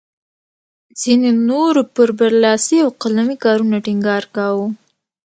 ځینو نورو پر برلاسي او قلمي کارونو ټینګار کاوه.